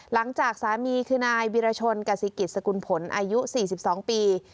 หลังจากสามีคือนายวิรชนกษิกิจสกุลผลอายุ๔๒ปี